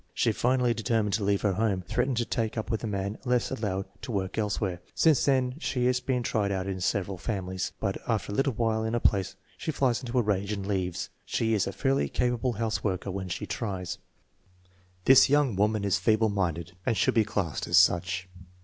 She finally determined to leave her home, threatening to take up with a man unless allowed to work elsewhere. Since then she lias been tried out in several families, but after a little while in INTELLIGENCE QUOTIENT SIGNIFICANCE 89 a place she flies into a rage and leaves. She is a fairly capable houseworker when she tries. Tliis young woman is feeble minded and should be classed as such.